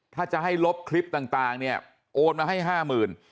ถ้าจะให้ลบคลิปต่างโอนมาให้๕๐๐๐๐บาท